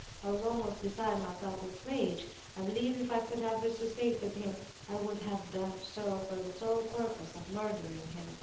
I was almost beside myself with rage! I believe if I could have resuscitated him I would have done so for the sole purpose of murdering him!